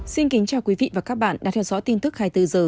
xin kính chào quý vị và các bạn đang theo dõi tin tức hai mươi bốn h